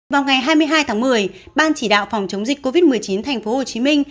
vào ngày hai mươi hai tháng một mươi ban chỉ đạo phòng chống dịch covid một mươi chín tp hcm